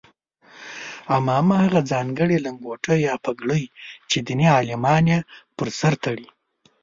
عمامه هغه ځانګړې لنګوټه یا پګړۍ چې دیني عالمان یې پر سر تړي.